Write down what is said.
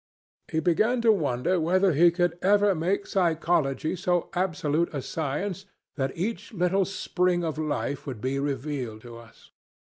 He began to wonder whether we could ever make psychology so absolute a science that each little spring of life would be revealed to us.